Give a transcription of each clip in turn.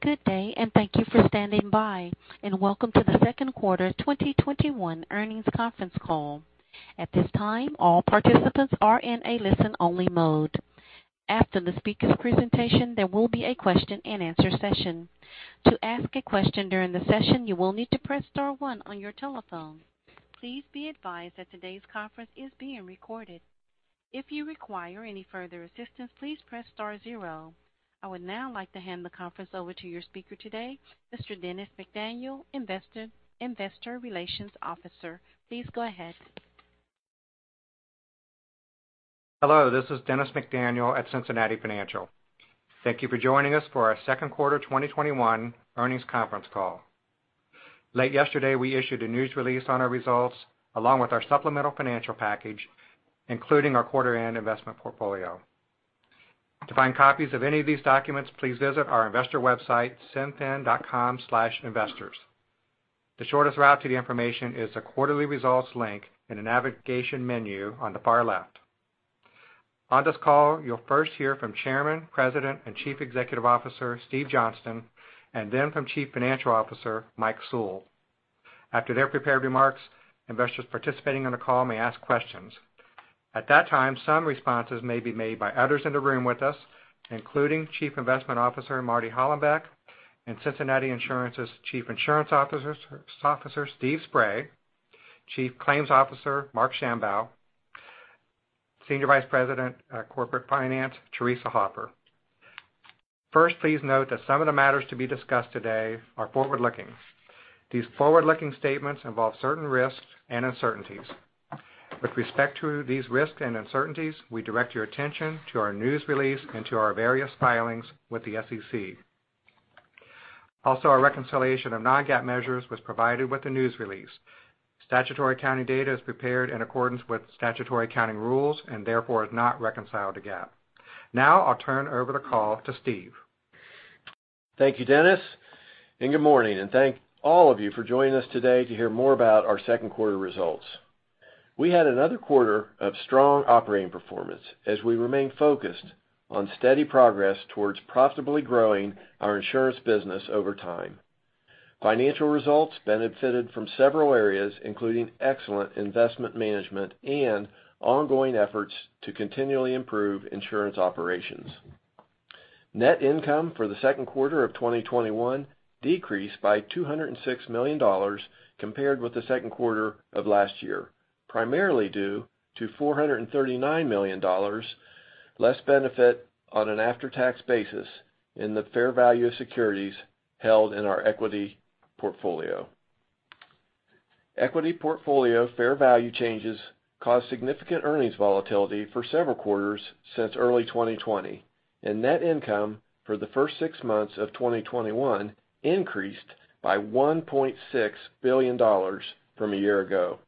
Good day, and thank you for standing by, and welcome to the second quarter 2021 earnings conference call. I would now like to hand the conference over to your speaker today, Mr. Dennis McDaniel, Investor Relations Officer. Please go ahead. Hello, this is Dennis McDaniel at Cincinnati Financial. Thank you for joining us for our second quarter 2021 earnings conference call. Late yesterday, we issued a news release on our results, along with our supplemental financial package, including our quarter end investment portfolio. To find copies of any of these documents, please visit our investor website, cinfin.com/investors. The shortest route to the information is the quarterly results link in the navigation menu on the far left. On this call, you'll first hear from Chairman, President, and Chief Executive Officer, Steve Johnston, and then from Chief Financial Officer, Mike Sewell. After their prepared remarks, investors participating on the call may ask questions. At that time, some responses may be made by others in the room with us, including Chief Investment Officer Marty Hollenbeck and Cincinnati Insurance's Chief Insurance Officer, Steph Spray, Chief Claims Officer Marc Schambow, Senior Vice President of Corporate Finance, Theresa Hoffer. First, please note that some of the matters to be discussed today are forward-looking. These forward-looking statements involve certain risks and uncertainties. With respect to these risks and uncertainties, we direct your attention to our news release and to our various filings with the SEC. Also, our reconciliation of non-GAAP measures was provided with the news release. Statutory accounting data is prepared in accordance with statutory accounting rules and therefore is not reconciled to GAAP. Now, I'll turn over the call to Steve. Thank you, Dennis, good morning, and thank all of you for joining us today to hear more about our second quarter results. We had another quarter of strong operating performance as we remain focused on steady progress towards profitably growing our insurance business over time. Financial results benefited from several areas, including excellent investment management and ongoing efforts to continually improve insurance operations. Net income for the second quarter of 2021 decreased by $206 million compared with the second quarter of last year. Primarily due to $439 million less benefit on an after-tax basis in the fair value of securities held in our equity portfolio. Equity portfolio fair value changes caused significant earnings volatility for several quarters since early 2020. Net income for the first six months of 2021 increased by $1.6 billion from a year ago.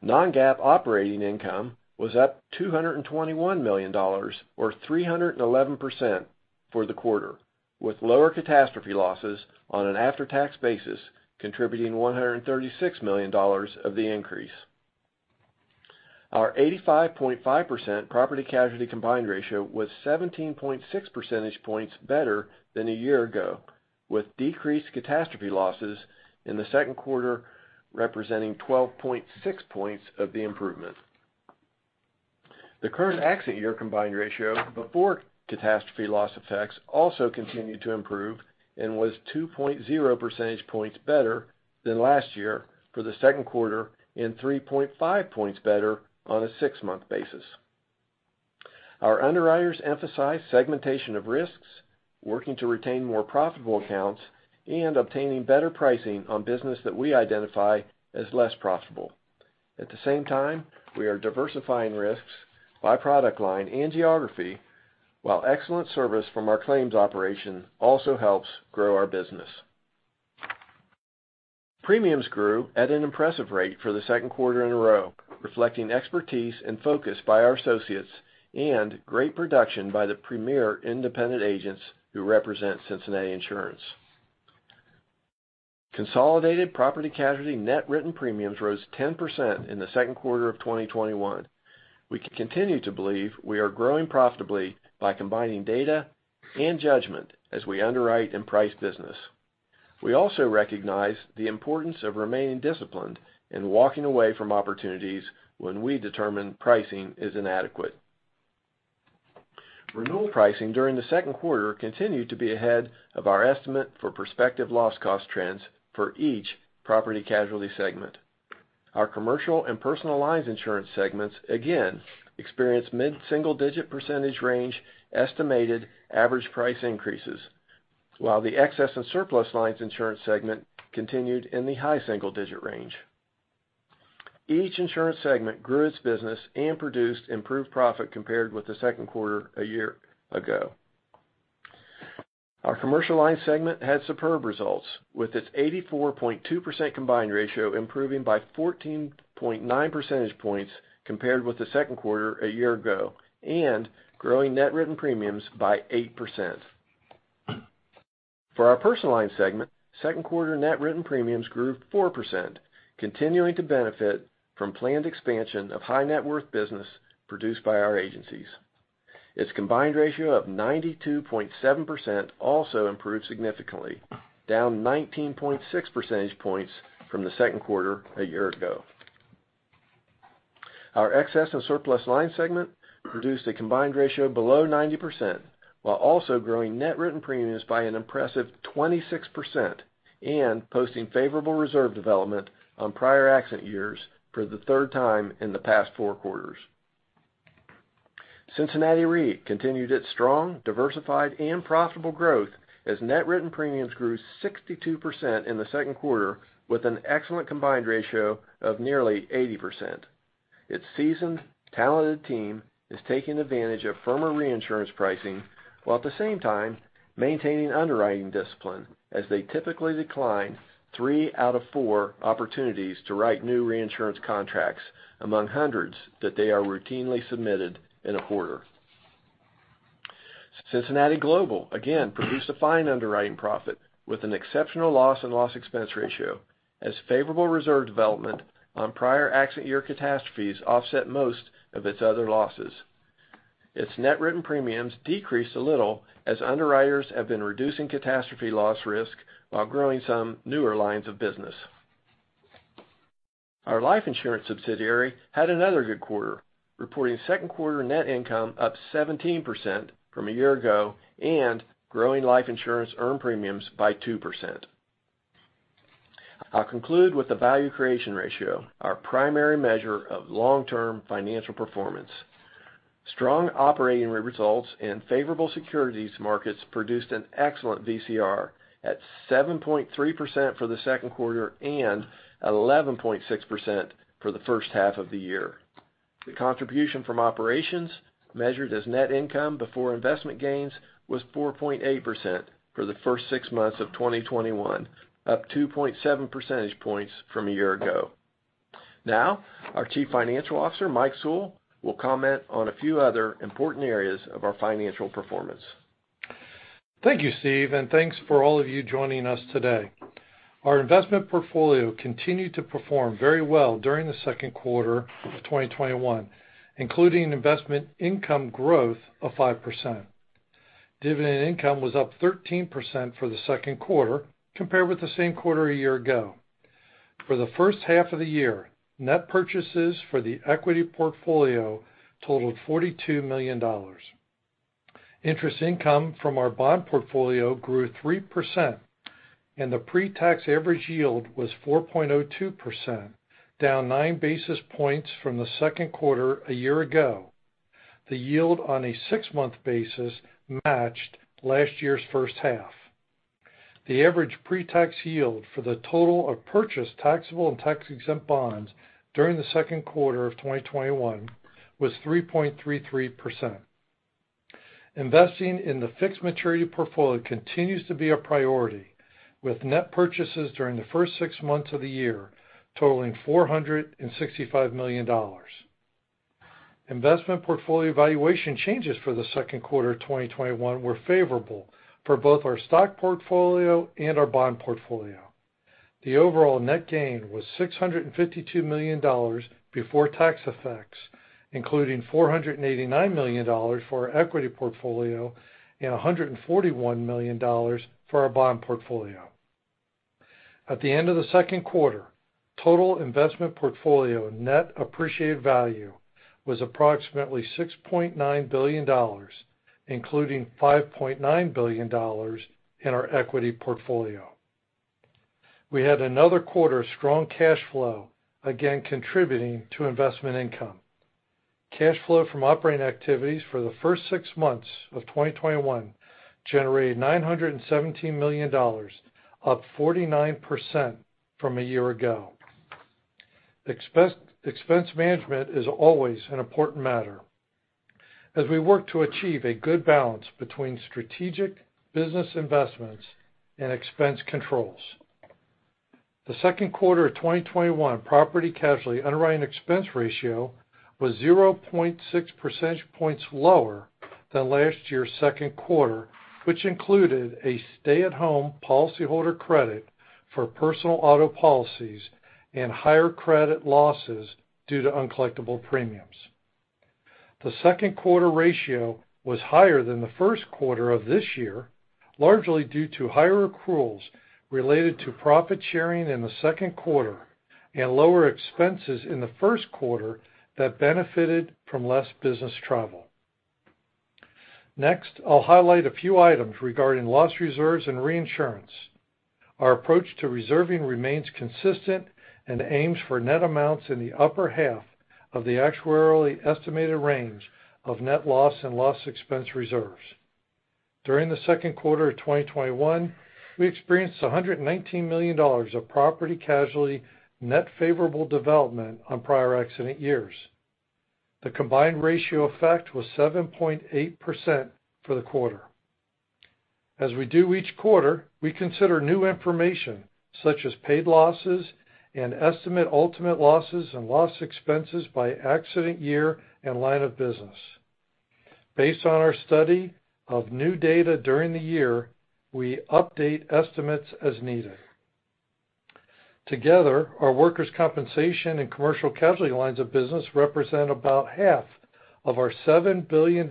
Non-GAAP operating income was up $221 million, or 311% for the quarter, with lower catastrophe losses on an after-tax basis contributing $136 million of the increase. Our 85.5% property casualty combined ratio was 17.6 percentage points better than a year ago, with decreased catastrophe losses in the second quarter representing 12.6 points of the improvement. The current accident year combined ratio before catastrophe loss effects also continued to improve and was 2.0 percentage points better than last year for the second quarter and 3.5 points better on a six-month basis. Our underwriters emphasize segmentation of risks, working to retain more profitable accounts, and obtaining better pricing on business that we identify as less profitable. At the same time, we are diversifying risks by product line and geography, while excellent service from our claims operation also helps grow our business. Premiums grew at an impressive rate for the second quarter in a row, reflecting expertise and focus by our associates and great production by the premier independent agents who represent Cincinnati Insurance. Consolidated property casualty net written premiums rose 10% in the second quarter of 2021. We continue to believe we are growing profitably by combining data and judgment as we underwrite and price business. We also recognize the importance of remaining disciplined and walking away from opportunities when we determine pricing is inadequate. Renewal pricing during the second quarter continued to be ahead of our estimate for prospective loss cost trends for each property casualty segment. Our commercial and personal lines insurance segments again experienced mid-single digit percentage range estimated average price increases, while the excess and surplus lines insurance segment continued in the high single digit range. Each insurance segment grew its business and produced improved profit compared with the second quarter a year ago. Our commercial lines segment had superb results, with its 84.2% combined ratio improving by 14.9 percentage points compared with the second quarter a year ago and growing net written premiums by 8%. For our personal line segment, second quarter net written premiums grew 4%, continuing to benefit from planned expansion of high net worth business produced by our agencies. Its combined ratio of 92.7% also improved significantly, down 19.6 percentage points from the second quarter a year ago. Our excess and surplus line segment produced a combined ratio below 90%, while also growing net written premiums by an impressive 26% and posting favorable reserve development on prior accident years for the third time in the past four quarters. Cincinnati Re continued its strong, diversified, and profitable growth as net written premiums grew 62% in the second quarter, with an excellent combined ratio of nearly 80%. Its seasoned, talented team is taking advantage of firmer reinsurance pricing while at the same time maintaining underwriting discipline. As they typically decline 3/4 opportunities to write new reinsurance contracts among hundreds that they are routinely submitted in a quarter. Cincinnati Global again produced a fine underwriting profit with an exceptional loss and loss expense ratio as favorable reserve development on prior accident year catastrophes offset most of its other losses. Its net written premiums decreased a little as underwriters have been reducing catastrophe loss risk while growing some newer lines of business. Our life insurance subsidiary had another good quarter, reporting second quarter net income up 17% from a year ago and growing life insurance earned premiums by 2%. I'll conclude with the value creation ratio, our primary measure of long-term financial performance. Strong operating results and favorable securities markets produced an excellent VCR at 7.3% for the second quarter and 11.6% for the first half of the year. The contribution from operations, measured as net income before investment gains, was 4.8% for the first six months of 2021, up 2.7 percentage points from a year ago. Now, our Chief Financial Officer, Mike Sewell, will comment on a few other important areas of our financial performance. Thank you, Steve, and thanks for all of you joining us today. Our investment portfolio continued to perform very well during the second quarter of 2021, including investment income growth of 5%. Dividend income was up 13% for the second quarter compared with the same quarter a year ago. For the first half of the year, net purchases for the equity portfolio totaled $42 million. Interest income from our bond portfolio grew 3%, and the pretax average yield was 4.02%, down 9 basis points from the second quarter a year ago. The yield on a six-month basis matched last year's first half. The average pretax yield for the total of purchased taxable and tax-exempt bonds during the second quarter of 2021 was 3.33%. Investing in the fixed maturity portfolio continues to be a priority, with net purchases during the first six months of the year totaling $465 million. Investment portfolio valuation changes for the second quarter 2021 were favorable for both our stock portfolio and our bond portfolio. The overall net gain was $652 million before tax effects, including $489 million for our equity portfolio and $141 million for our bond portfolio. At the end of the second quarter, total investment portfolio net appreciated value was approximately $6.9 billion, including $5.9 billion in our equity portfolio. We had another quarter of strong cash flow, again contributing to investment income. Cash flow from operating activities for the first six months of 2021 generated $917 million, up 49% from a year ago. Expense management is always an important matter as we work to achieve a good balance between strategic business investments and expense controls. The second quarter of 2021 property casualty underwriting expense ratio was 0.6 percentage points lower than last year's second quarter, which included a stay-at-home policyholder credit for personal auto policies and higher credit losses due to uncollectible premiums. The second quarter ratio was higher than the first quarter of this year, largely due to higher accruals related to profit sharing in the second quarter and lower expenses in the first quarter that benefited from less business travel. Next, I'll highlight a few items regarding loss reserves and reinsurance. Our approach to reserving remains consistent and aims for net amounts in the upper half of the actuarially estimated range of net loss and loss expense reserves. During the second quarter of 2021, we experienced $119 million of property casualty net favorable development on prior accident years. The combined ratio effect was 7.8% for the quarter. As we do each quarter, we consider new information, such as paid losses and estimate ultimate losses and loss expenses by accident year and line of business. Based on our study of new data during the year, we update estimates as needed. Together, our workers' compensation and commercial casualty lines of business represent about half of our $7 billion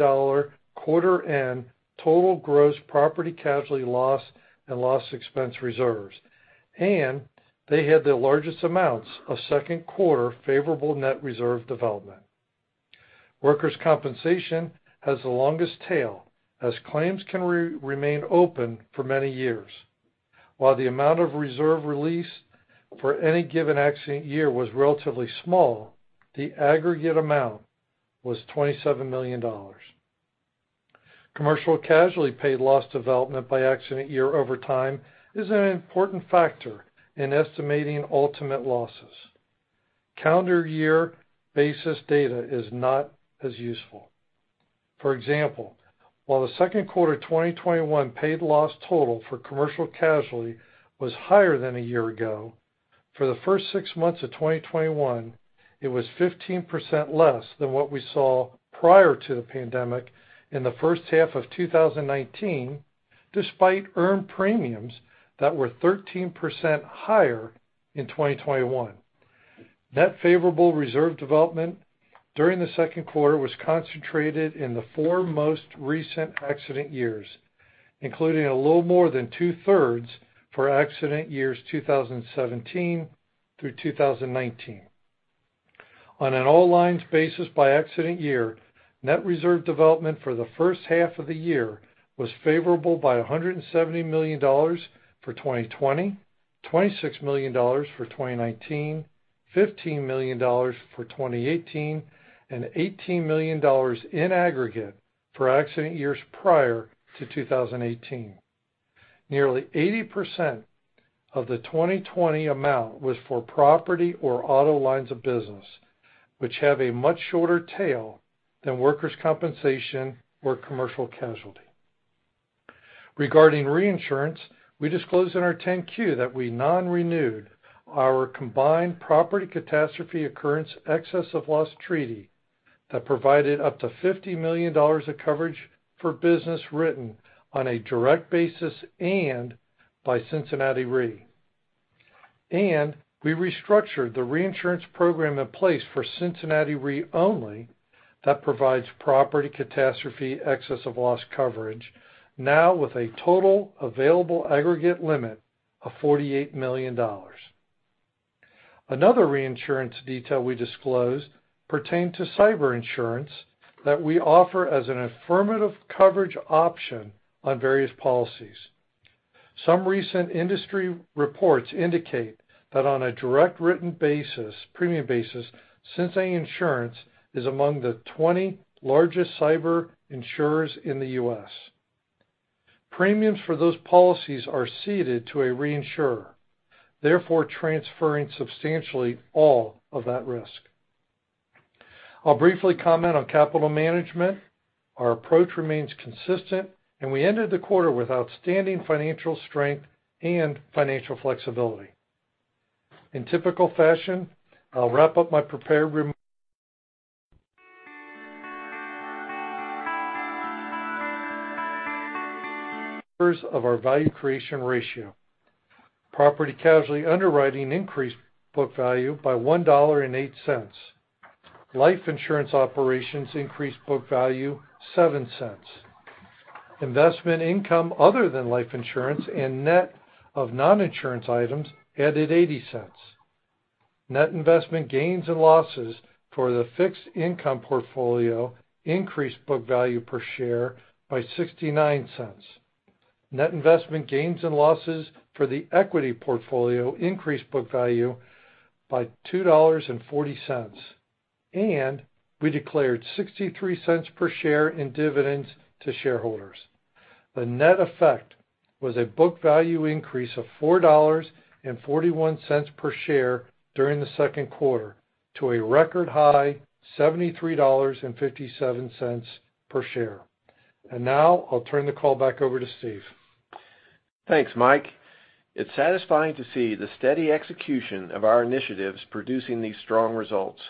quarter end total gross property casualty loss and loss expense reserves, and they had the largest amounts of second quarter favorable net reserve development. Workers' compensation has the longest tail, as claims can remain open for many years. While the amount of reserve released for any given accident year was relatively small, the aggregate amount was $27 million. Commercial casualty paid loss development by accident year over time is an important factor in estimating ultimate losses. Calendar year basis data is not as useful. For example, while the second quarter 2021 paid loss total for commercial casualty was higher than a year ago, for the first six months of 2021, it was 15% less than what we saw prior to the pandemic in the first half of 2019, despite earned premiums that were 13% higher in 2021. Net favorable reserve development during the second quarter was concentrated in the four most recent accident years, including a little more than two-thirds for accident years 2017 through 2019. On an all lines basis by accident year, net reserve development for the first half of the year was favorable by $170 million for 2020, $26 million for 2019, $15 million for 2018, and $18 million in aggregate for accident years prior to 2018. Nearly 80% of the 2020 amount was for property or auto lines of business, which have a much shorter tail than workers' compensation or commercial casualty. Regarding reinsurance, we disclosed in our 10-Q that we non-renewed our combined property catastrophe occurrence excess of loss treaty that provided up to $50 million of coverage for business written on a direct basis and by Cincinnati Re. We restructured the reinsurance program in place for Cincinnati Re only, that provides property catastrophe excess of loss coverage now with a total available aggregate limit of $48 million. Another reinsurance detail we disclosed pertained to cyber insurance that we offer as an affirmative coverage option on various policies. Some recent industry reports indicate that on a direct written premium basis, Cincinnati Insurance is among the 20 largest cyber insurers in the U.S. Premiums for those policies are ceded to a reinsurer, therefore transferring substantially all of that risk. I'll briefly comment on capital management. Our approach remains consistent, we ended the quarter with outstanding financial strength and financial flexibility. In typical fashion, I'll wrap up my prepared of our value creation ratio. Property casualty underwriting increased book value by $1.08. Life insurance operations increased book value $0.07. Investment income other than life insurance and net of non-insurance items added $0.80. Net investment gains and losses for the fixed income portfolio increased book value per share by $0.69. Net investment gains and losses for the equity portfolio increased book value by $2.40. We declared $0.63 per share in dividends to shareholders. The net effect was a book value increase of $4.41 per share during the second quarter, to a record high $73.57 per share. Now I'll turn the call back over to Steve. Thanks, Mike. It's satisfying to see the steady execution of our initiatives producing these strong results.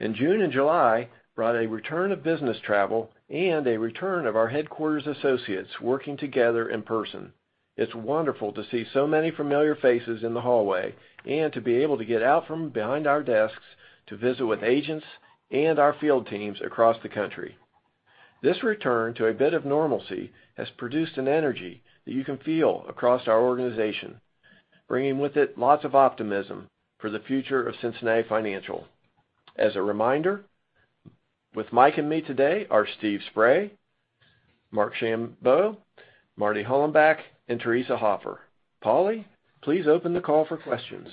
June and July brought a return of business travel and a return of our headquarters associates working together in person. It's wonderful to see so many familiar faces in the hallway and to be able to get out from behind our desks to visit with agents and our field teams across the country. This return to a bit of normalcy has produced an energy that you can feel across our organization, bringing with it lots of optimism for the future of Cincinnati Financial. As a reminder, with Mike and me today are Steph Spray, Marc Schambow, Marty Hollenbeck, and Theresa Hoffer. Polly, please open the call for questions.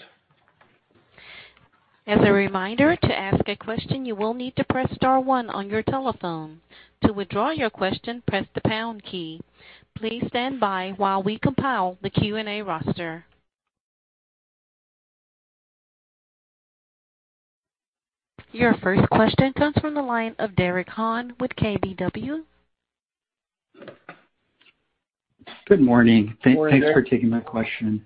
Your first question comes from the line of Derek Han with KBW. Good morning. Good morning, Derek. Thanks for taking my question.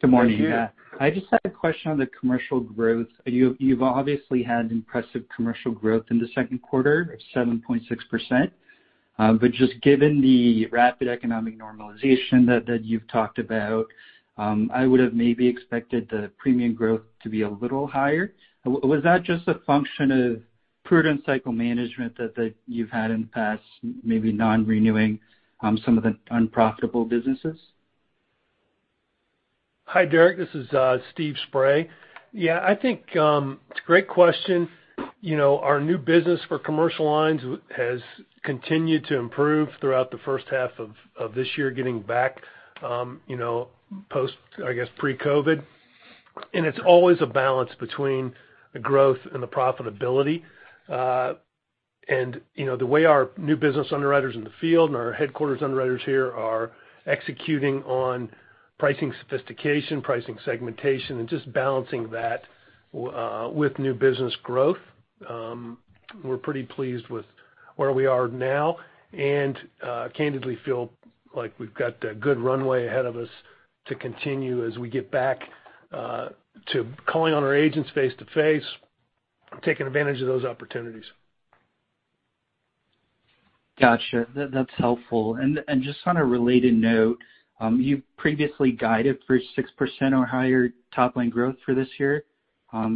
Good morning. Thank you. I just had a question on the commercial growth. You've obviously had impressive commercial growth in the second quarter of 7.6%, just given the rapid economic normalization that you've talked about, I would've maybe expected the premium growth to be a little higher. Was that just a function of prudent cycle management that you've had in the past, maybe non-renewing some of the unprofitable businesses? Hi, Derek, this is Steph Spray. Yeah, I think it's a great question. Our new business for commercial lines has continued to improve throughout the first half of this year, getting back post, I guess, pre-COVID. It's always a balance between the growth and the profitability. The way our new business underwriters in the field and our headquarters underwriters here are executing on pricing sophistication, pricing segmentation, and just balancing that with new business growth. We're pretty pleased with where we are now, and candidly feel like we've got a good runway ahead of us to continue as we get back to calling on our agents face-to-face, taking advantage of those opportunities. Got you. That's helpful. Just on a related note, you previously guided for 6% or higher top line growth for this year.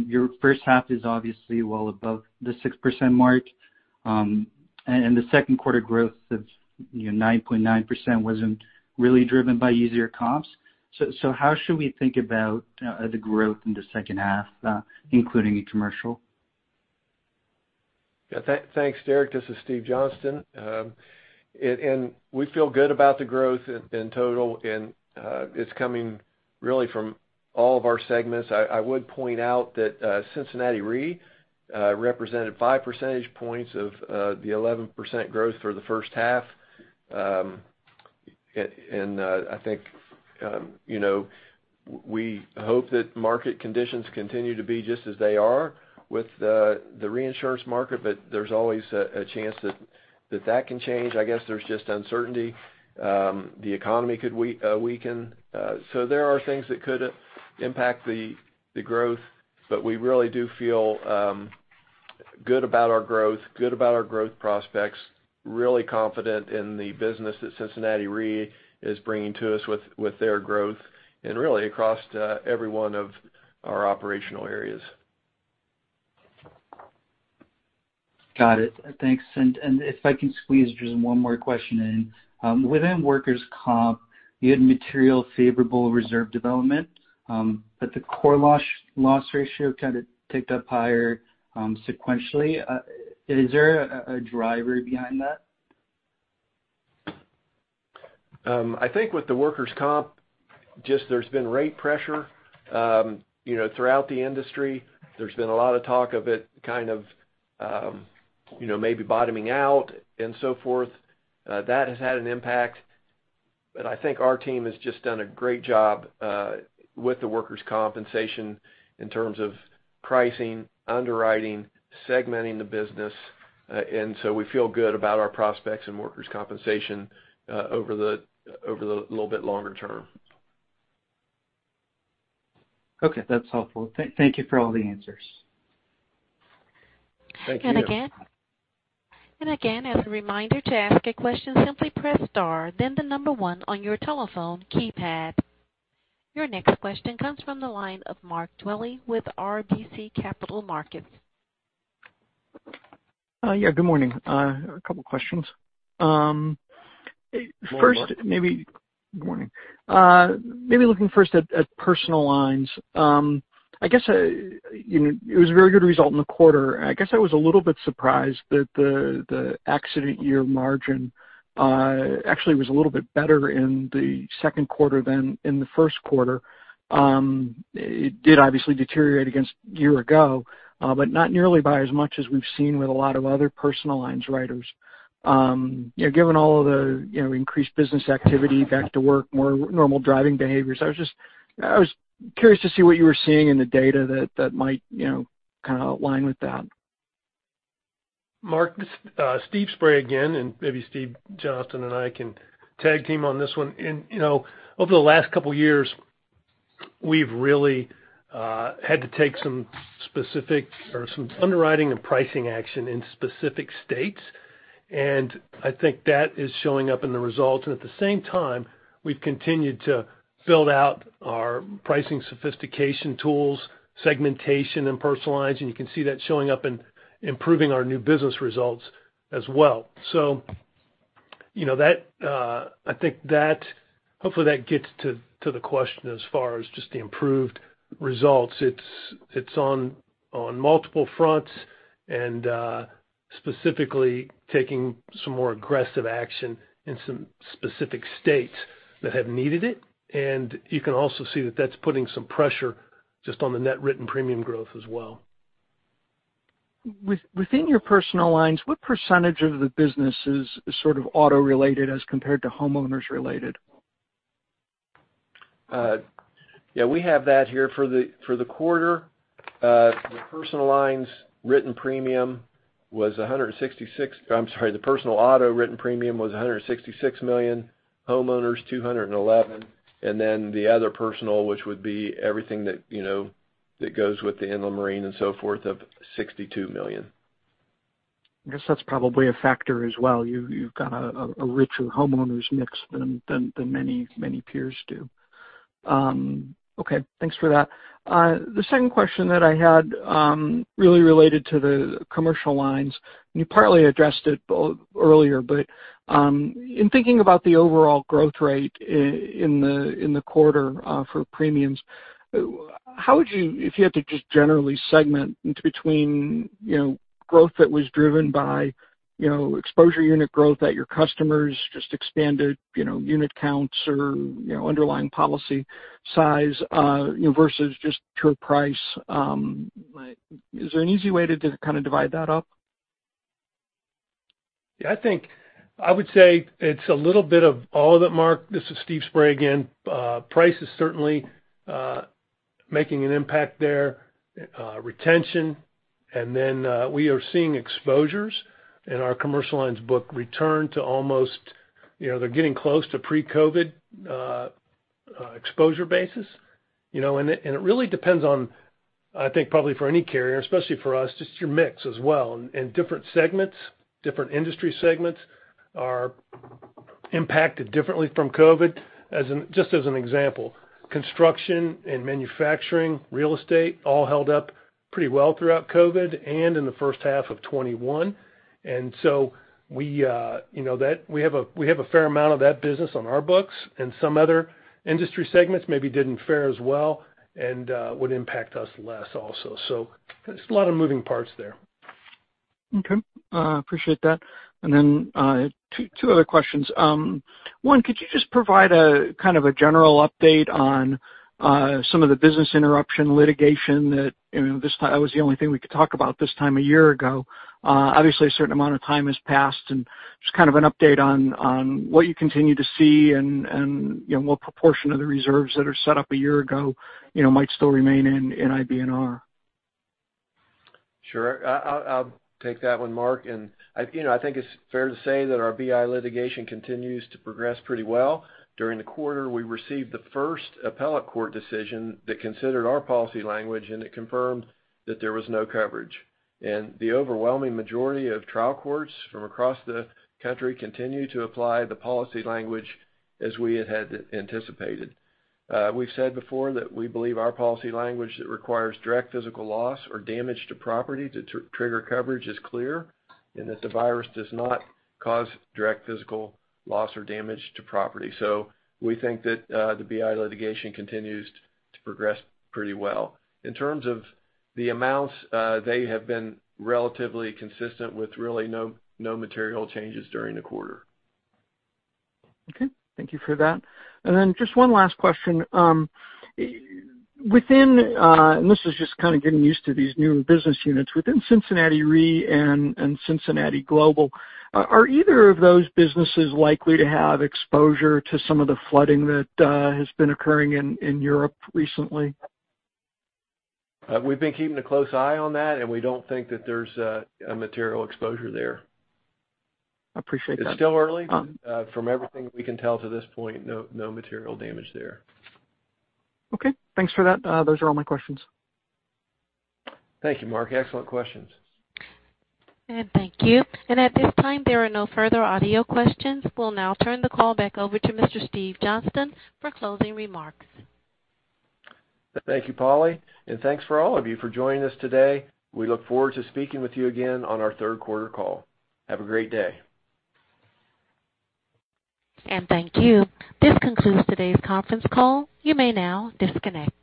Your first half is obviously well above the 6% mark. The second quarter growth of 9.9% wasn't really driven by easier comps. How should we think about the growth in the second half, including commercial? Thanks, Derek. This is Steve Johnston. We feel good about the growth in total, and it's coming really from all of our segments. I would point out that Cincinnati Re represented 5 percentage points of the 11% growth for the first half. I think we hope that market conditions continue to be just as they are with the reinsurance market, but there's always a chance that that can change. I guess there's just uncertainty. The economy could weaken. There are things that could impact the growth, but we really do feel good about our growth, good about our growth prospects, really confident in the business that Cincinnati Re is bringing to us with their growth, and really across every one of our operational areas. Got it. Thanks. If I can squeeze just one more question in. Within workers' comp, you had material favorable reserve development. The core loss ratio kind of ticked up higher sequentially. Is there a driver behind that? I think with the workers' comp, just there's been rate pressure throughout the industry. There's been a lot of talk of it kind of maybe bottoming out and so forth. That has had an impact. I think our team has just done a great job with the workers' compensation in terms of pricing, underwriting, segmenting the business. We feel good about our prospects in workers' compensation over the little bit longer term. Okay, that's helpful. Thank you for all the answers. Thank you. Thank you. Again, as a reminder, to ask a question, simply press star then the number one on your telephone keypad. Your next question comes from the line of Mark Dwelle with RBC Capital Markets. Yeah, good morning. A couple questions. Good morning, Mark. Good morning. Maybe looking first at personal lines. I guess it was a very good result in the quarter. I guess I was a little bit surprised that the accident year margin actually was a little bit better in the second quarter than in the first quarter. It did obviously deteriorate against year ago, but not nearly by as much as we've seen with a lot of other personal lines writers. Given all of the increased business activity, back to work, more normal driving behaviors, I was curious to see what you were seeing in the data that might kind of align with that. Mark, Steph Spray again, and maybe Steve Johnston and I can tag team on this one. Over the last couple years, we've really had to take some underwriting and pricing action in specific states, and I think that is showing up in the results. At the same time, we've continued to build out our pricing sophistication tools, segmentation and personalize, and you can see that showing up and improving our new business results as well. I think hopefully that gets to the question as far as just the improved results. It's on multiple fronts, and specifically taking some more aggressive action in some specific states that have needed it. You can also see that that's putting some pressure just on the net written premium growth as well. Within your personal lines, what percentage of the business is sort of auto-related as compared to homeowners related? We have that here. For the quarter, the personal auto written premium was $166 million, homeowners, $211 million, and then the other personal, which would be everything that goes with the inland marine and so forth, of $62 million. I guess that's probably a factor as well. You've got a richer homeowners mix than many peers do. Okay, thanks for that. The second question that I had really related to the commercial lines, and you partly addressed it earlier, but in thinking about the overall growth rate in the quarter for premiums, if you had to just generally segment between growth that was driven by exposure unit growth at your customers, just expanded unit counts or underlying policy size versus just pure price, is there an easy way to kind of divide that up? Yeah, I would say it's a little bit of all of it, Mark. This is Steph Spray again. Price is certainly making an impact there. Retention, we are seeing exposures in our commercial lines book return to almost, they're getting close to pre-COVID exposure basis. It really depends on, I think, probably for any carrier, especially for us, just your mix as well, and different segments, different industry segments are impacted differently from COVID. Just as an example, construction and manufacturing, real estate all held up pretty well throughout COVID and in the first half of 2021. We have a fair amount of that business on our books and some other industry segments maybe didn't fare as well and would impact us less also. There's a lot of moving parts there. Okay. Appreciate that. Two other questions. One, could you just provide a kind of a general update on some of the business interruption litigation that was the only thing we could talk about this time a year ago. Obviously, a certain amount of time has passed, just kind of an update on what you continue to see and what proportion of the reserves that are set up a year ago might still remain in IBNR. Sure. I'll take that one, Mark. I think it's fair to say that our BI litigation continues to progress pretty well. During the quarter, we received the first appellate court decision that considered our policy language, and it confirmed that there was no coverage. The overwhelming majority of trial courts from across the country continue to apply the policy language as we had anticipated. We've said before that we believe our policy language that requires direct physical loss or damage to property to trigger coverage is clear, and that the virus does not cause direct physical loss or damage to property. We think that the BI litigation continues to progress pretty well. In terms of the amounts, they have been relatively consistent with really no material changes during the quarter. Okay, thank you for that. Just one last question. This is just kind of getting used to these new business units. Within Cincinnati Re and Cincinnati Global, are either of those businesses likely to have exposure to some of the flooding that has been occurring in Europe recently? We've been keeping a close eye on that, and we don't think that there's a material exposure there. Appreciate that. It's still early. From everything we can tell to this point, no material damage there. Okay, thanks for that. Those are all my questions. Thank you, Mark. Excellent questions. Thank you. At this time, there are no further audio questions. We'll now turn the call back over to Mr. Steve Johnston for closing remarks. Thank you, Polly. Thanks for all of you for joining us today. We look forward to speaking with you again on our third quarter call. Have a great day. Thank you. This concludes today's conference call. You may now disconnect.